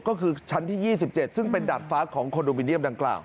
ก็คือชั้นที่๒๗ซึ่งเป็นดาดฟ้าของคอนโดมิเนียมดังกล่าว